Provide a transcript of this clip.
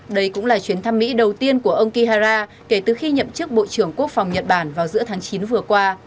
đây cũng là chuyến thăm mỹ đầu tiên của ông kihara kể từ khi nhậm chức bộ trưởng quốc phòng nhật bản vào giữa tháng chín vừa qua